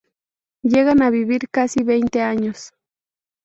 Llegan a vivir casi veinte años.